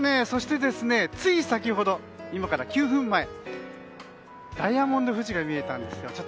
そしてつい先ほど、今から９分前ダイヤモンド富士が見えたんですよ。